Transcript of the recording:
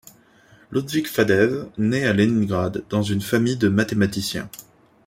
Ludvig Faddeev naît à Leningrad dans une famille de mathématiciens.